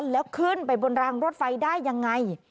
แล้วขึ้นไปบนรางรถไฟได้ยังไง